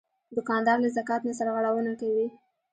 دوکاندار له زکات نه سرغړونه نه کوي.